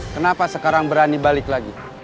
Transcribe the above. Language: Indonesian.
kenapa sekarang berani balik lagi